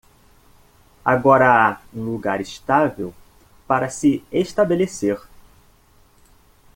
Agora há um lugar estável para se estabelecer.